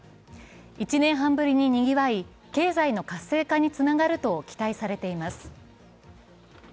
１年半ぶりににぎわい、経済の活性化につながると期待されています。